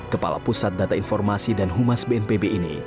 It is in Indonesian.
kepala pusat data informasi dan humas bnpb ini